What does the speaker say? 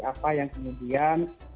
apa yang kemudian